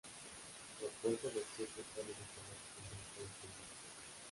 La puerta de acceso está limitada por un arco deprimido.